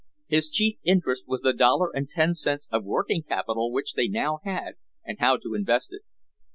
His chief interest was the dollar and ten cents of working capital which they now had and how to invest it.